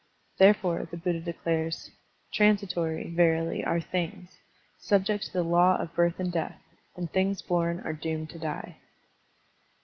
Therefore, the Buddha declares: "Transitory, verily, are things, sub ject to the law of birth and death; and things bom are doomed to die."